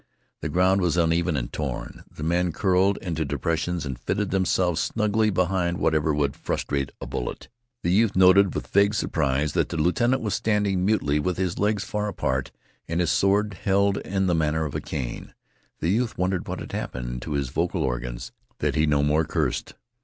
The ground was uneven and torn. The men curled into depressions and fitted themselves snugly behind whatever would frustrate a bullet. The youth noted with vague surprise that the lieutenant was standing mutely with his legs far apart and his sword held in the manner of a cane. The youth wondered what had happened to his vocal organs that he no more cursed.